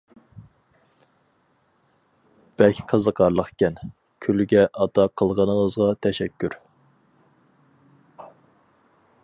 . بەك قىزىقارلىقكەن، كۈلگە ئاتا قىلغىنىڭىزغا تەشەككۈر.